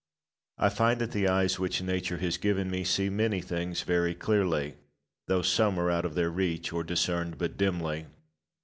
I find that the eyes which Nature has given me see many things very clearly, though some are out of their reach, or discerned but dimly.